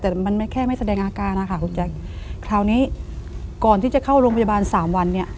แต่มันไม่แค่ไม่แสดงอาการนะคะคุณแจ๊คคราวนี้ก่อนที่จะเข้าโรงพยาบาลสามวันเนี่ย